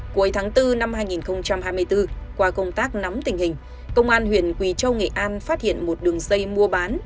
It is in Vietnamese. cuối tháng bốn năm hai nghìn hai mươi bốn qua công tác nắm tình hình công an huyện quỳ châu nghệ an phát hiện một đường dây mua bán